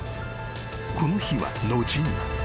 ［この日は後に］